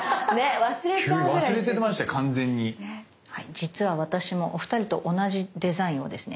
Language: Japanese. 実は私もお二人と同じデザインをですね